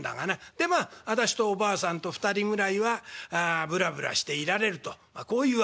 でまあ私とおばあさんと２人ぐらいはぶらぶらしていられるとこういう訳だ」。